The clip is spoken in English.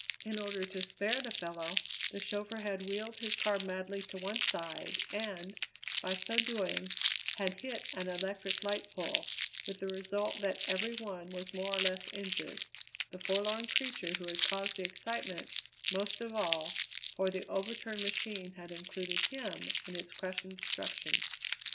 In order to spare the fellow, the chauffeur had wheeled his car madly to one side, and, by so doing, had hit an electric light pole, with the result that every one was more or less injured, the forlorn creature who had caused the excitement, most of all, for the over turned machine had included him in its crushing destruction.